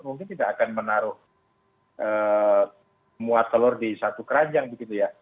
mungkin tidak akan menaruh muat telur di satu keranjang begitu ya